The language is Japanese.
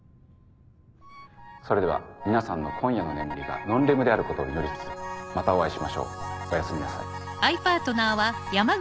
それでは皆さんの今夜の眠りがノンレムであることを祈りつつまたお会いしましょうおやすみなさい。